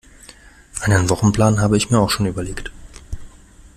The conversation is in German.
Einen Wochenplan habe ich mir auch schon überlegt